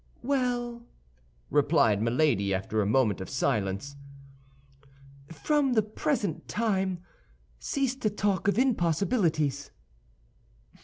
"Well," replied Milady, after a moment of silence, "from the present time, cease to talk of impossibilities."